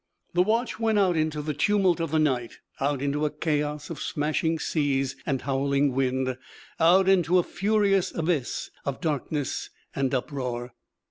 The watch went out into the tumult of the night, out into a chaos of smashing seas and howling wind, out into a furious abyss of darkness and uproar.